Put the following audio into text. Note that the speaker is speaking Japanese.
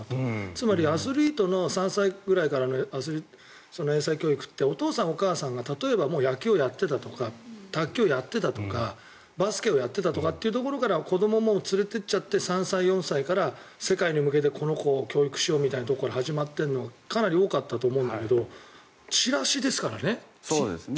つまり、アスリートの３歳くらいからの英才教育ってお父さん、お母さんがもう野球をやっていたとか卓球をやっていたとかバスケをやっていたというところから子どもも連れていって３歳、４歳から世界に向けてこの子教育しようみたいなところから始まっているのがかなり多かったと思うんですけどチラシですからね。